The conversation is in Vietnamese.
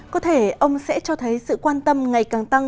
có thể ông sẽ cho thấy sự quan tâm ngày càng tăng